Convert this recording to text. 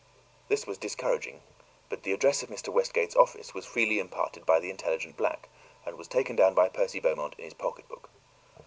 This was discouraging; but the address of Mr. Westgate's office was freely imparted by the intelligent black and was taken down by Percy Beaumont in his pocketbook.